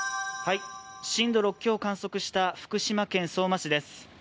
震度６強を観測した福島県相馬市です。